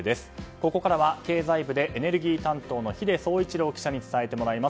ここからは経済部でエネルギー担当の秀総一郎記者に伝えてもらいます。